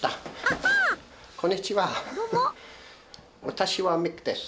私はミックです。